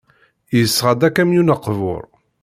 Yesɣa-d akamyun aqbur.